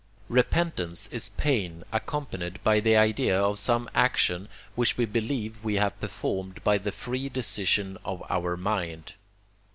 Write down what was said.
Repentance is pain accompanied by the idea of some action, which we believe we have performed by the free decision of our mind.